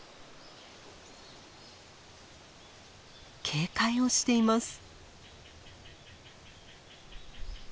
警戒をしています。